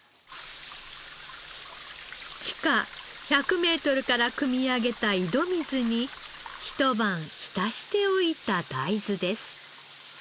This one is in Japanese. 地下１００メートルからくみ上げた井戸水に一晩浸しておいた大豆です。